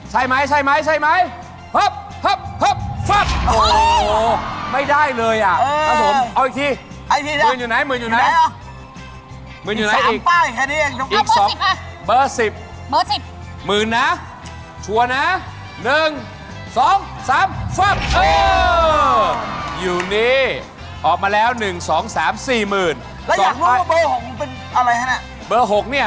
ชัวร์